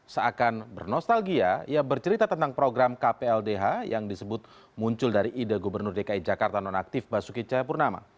seakan bernostalgia ia bercerita tentang program kpldh yang disebut muncul dari ide gubernur dki jakarta nonaktif basuki cahayapurnama